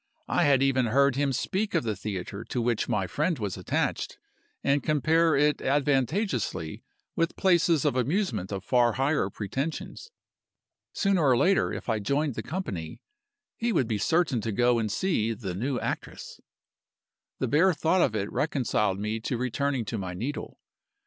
I had even heard him speak of the theatre to which my friend was attached, and compare it advantageously with places of amusement of far higher pretensions. Sooner or later, if I joined the company he would be certain to go and see 'the new actress.' The bare thought of it reconciled me to returning to my needle.